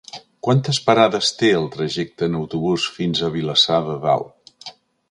Quantes parades té el trajecte en autobús fins a Vilassar de Dalt?